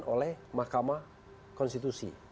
diterintahkan oleh mahkamah konstitusi